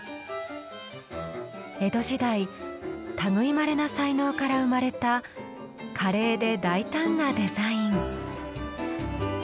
江戸時代類いまれな才能から生まれた華麗で大胆なデザイン。